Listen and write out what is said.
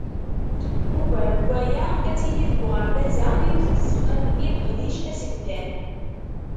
Ugar n waya, ad tili deg uɣerbaz-a yiwet n tzeqqa i leqdic asegtan.